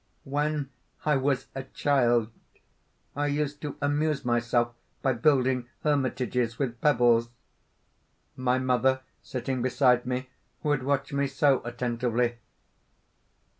"When I was a child, I used to amuse myself by building hermitages with pebbles. My mother sitting beside me would watch me so attentively!